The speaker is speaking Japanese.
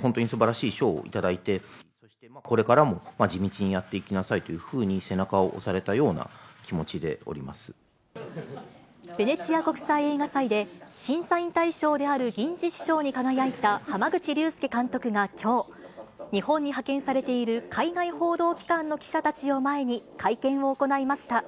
本当にすばらしい賞を頂いて、これからも地道にやっていきなさいというふうに、背中を押されたベネチア国際映画祭で、審査員大賞である銀獅子賞に輝いた濱口竜介監督が、きょう、日本に派遣されている海外報道機関の記者たちを前に会見を行いました。